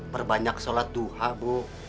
perbanyak sholat duha bu